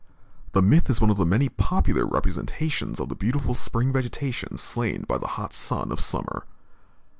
The myth is one of the many popular representations of the beautiful spring vegetation slain by the hot sun of summer.